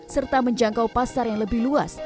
serta menjangkau pasar yang lebih luas